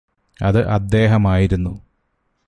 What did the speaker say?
അത് അദ്ദേഹമായിരുന്നു